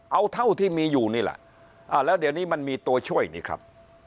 เอาเท่าที่มีอยู่นี่แหละแล้วเดี๋ยวนี้มันมีตัวช่วยนี่ครับ